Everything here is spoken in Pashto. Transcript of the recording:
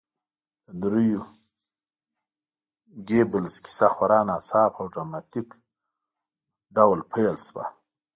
د دریو ګيبلز کیسه خورا ناڅاپه او ډراماتیک ډول پیل شوه